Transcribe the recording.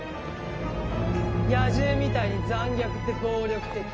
野獣みたいに残虐で暴力的。